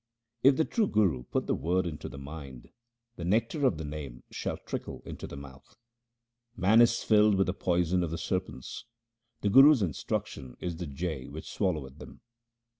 If the true Guru put the Word into the mind, the nectar of the Name shall trickle into the mouth. Man is filled with the poison of the serpents 1 ; the Guru's instruction is the jay which swalloweth them.